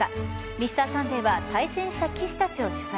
「Ｍｒ．サンデー」は対戦した棋士たちを取材。